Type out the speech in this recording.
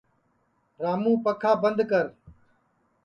رامُوں پکھا بند کر